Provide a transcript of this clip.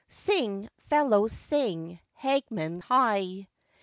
Sing, fellows, sing, Hagman heigh.